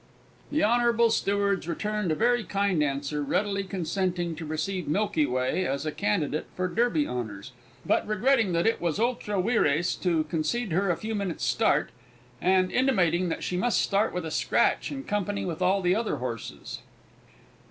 The Honble Stewards returned a very kind answer, readily consenting to receive Milky Way as a candidate for Derby honours, but regretting that it was ultra vires to concede her a few minutes' start, and intimating that she must start with a scratch in company with all the other horses.